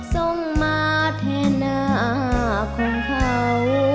ต้องมาแทนหน้าของเขา